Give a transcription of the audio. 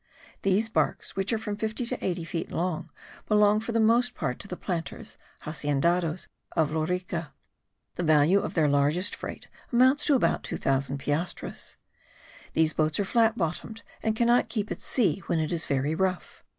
These barks, which are from fifty to eighty feet long, belong for the most part to the planters (haciendados) of Lorica. The value of their largest freight amounts to about 2000 piastres. These boats are flat bottomed, and cannot keep at sea when it is very rough.